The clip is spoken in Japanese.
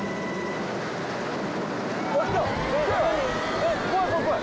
えっ怖い怖い。